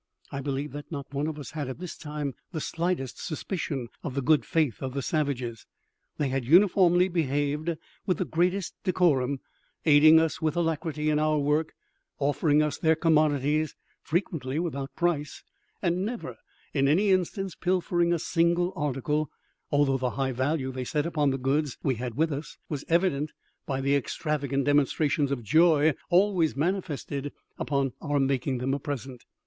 I believe that not one of us had at this time the slightest suspicion of the good faith of the savages. They had uniformly behaved with the greatest decorum, aiding us with alacrity in our work, offering us their commodities, frequently without price, and never, in any instance, pilfering a single article, although the high value they set upon the goods we had with us was evident by the extravagant demonstrations of joy always manifested upon our making them a present.